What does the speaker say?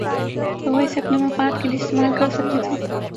تو وہ اسے اپنے مفاد کے لیے استعمال کر سکتے تھے۔